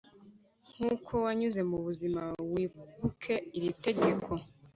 nkuko wanyuze mubuzima wibuke iri tegeko